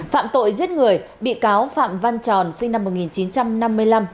phạm tội giết người bị cáo phạm văn tròn sinh năm một nghìn chín trăm năm mươi năm